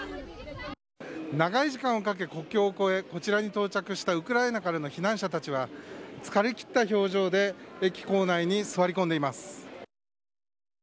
長い時間をかけ国境を越えこちらに到着したウクライナからの避難者たちは疲れ切った表情で駅構内に座り込んでいます。